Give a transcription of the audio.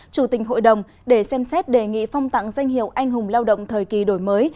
chủ tình hội đồng để xem xét đề nghị phong tặng danh hiệu anh hùng lao động thời kỳ đổi mới